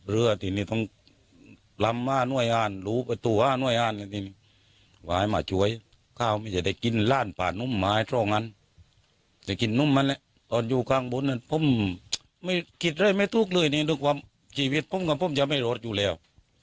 ผมกิจได้ไม่ทุกข์เลยในความชีวิตผมกับผมยังไม่ลดอยู่แล้ว